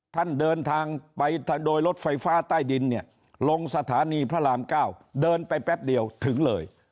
ท่านเดินทางไปโดยรถไฟฟ้าใต้ดินเนี่ยลงสถานีพระราม๙เดินไปแป๊บเดียวถึงเลย